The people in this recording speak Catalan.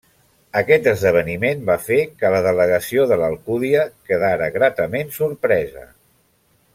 Aquest esdeveniment va fer que la delegació de l'Alcúdia quedara gratament sorpresa.